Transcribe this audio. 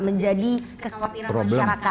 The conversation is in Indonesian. menjadi kekhawatiran masyarakat